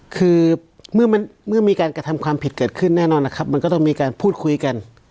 คือเมื่อมีการกระทำความผิดเกิดขึ้นแน่นอนนะครับมันก็ต้องมีการพูดคุยกัน